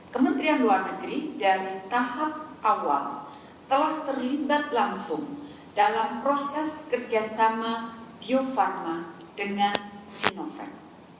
kementerian luar negeri dari tahap awal telah terlibat langsung dalam proses kerjasama bio farma dengan sinovac